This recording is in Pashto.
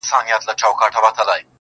یوه نجلۍ راسي زما په زړه کي غم ساز کړي